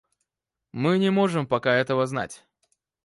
Мы не можем пока этого знать.